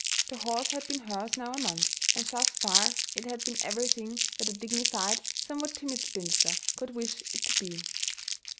The horse had been hers now a month, and thus far it had been everything that a dignified, somewhat timid spinster could wish it to be.